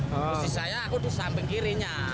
kondisi saya aku di samping kirinya